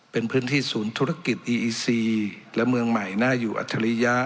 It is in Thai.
เป็นพื้นที่ศูนย์ธุรกิจอีอีซีและเมืองใหม่น่าอยู่อัจฉริยะ